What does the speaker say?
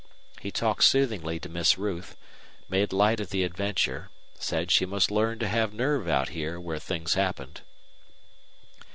He talked soothingly to Miss Ruth, made light of the adventure, said she must learn to have nerve out here where things happened.